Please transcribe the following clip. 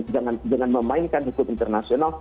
jangan memainkan hukum internasional